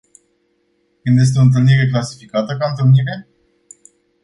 Când este o întâlnire clasificată ca întâlnire?